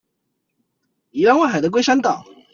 宜蘭外海的龜山島